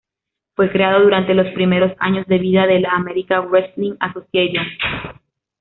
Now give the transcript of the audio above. Fue creado durante los primeros años de vida de la American Wrestling Association.